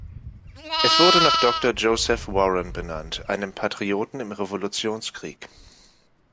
Es wurde nach Doktor Joseph Warren benannt, einem Patrioten im Revolutionskrieg.